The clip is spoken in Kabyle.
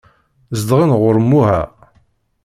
Zedɣen ɣur Imuha.